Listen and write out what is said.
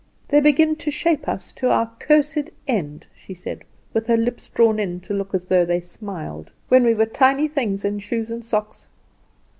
They begin to shape us to our cursed end," she said, with her lips drawn in to look as though they smiled, "when we are tiny things in shoes and socks.